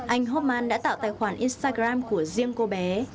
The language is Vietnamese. anh homan đã tạo tài khoản instagram của riêng cô bé